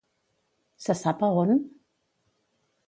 Se sap a on?